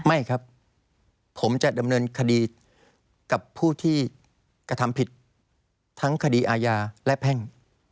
ไม่ครับผมจะดำเนินคดีกับผู้ที่กระทำผิดทั้งคดีอาญาและแพ่ง